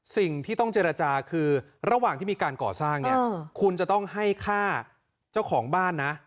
สิ่งที่ต้องเจรจาคือระหว่างที่มีการก่อสร้างเนี่ยคุณจะต้องให้ฆ่าเจ้าของบ้านนะ